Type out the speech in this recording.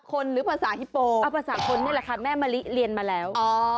คนหรือภาษาฮิปโปภาษาคนนี่แหละครับแม่มะลิเรียนมาแล้วอ๋อ